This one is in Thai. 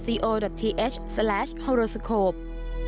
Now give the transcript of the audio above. เวลาที่สุดท้ายที่สุดท้ายที่สุดท้าย